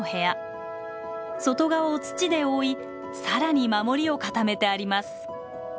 外側を土で覆い更に守りを固めてあります。